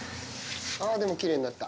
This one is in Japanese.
ああでもきれいになった。